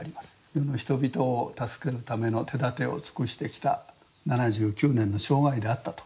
「世の人々を助けるための手だてを尽くしてきた７９年の生涯であった」と。